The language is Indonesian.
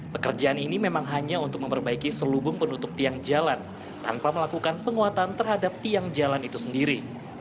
pekerjaan ini memang hanya untuk memperbaiki selubung penutup tiang jalan tanpa melakukan penguatan terhadap tiang jalan itu sendiri